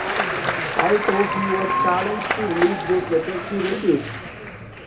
Although he was challenged to release those letters he refused.